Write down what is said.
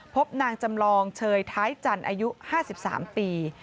พบนางจำลองเฉยท้ายจันทร์อายุห้าสิบสามปี